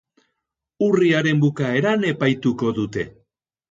Urriaren bukaeran epaituko dute.